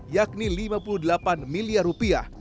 yakni lima puluh delapan miliar rupiah